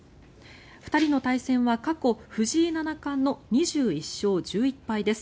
２人の対戦は過去藤井七冠の２１勝１１敗です。